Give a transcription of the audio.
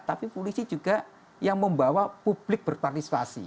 tapi polisi juga yang membawa publik berpartisipasi